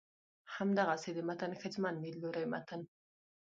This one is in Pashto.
همدغسې د متن ښځمن ليدلورى متن